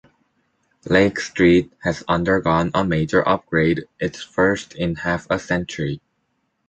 Lake Street has undergone a major upgrade, its first in half a century.